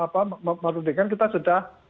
mempermudikan kita sudah